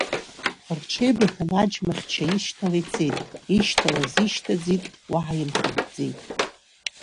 Рҽеибыҭан аџьмахьча ишьҭала ицеит, ишьҭалаз ишьҭаӡит, уаҳа имхынҳәӡеит.